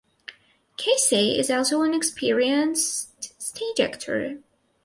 Casey is also an experienced stage actor.